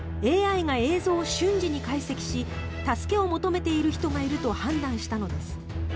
ＡＩが映像を瞬時に解析し助けを求めている人がいると判断したのです。